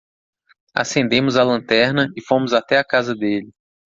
Acendemos a lanterna e fomos até a casa dele.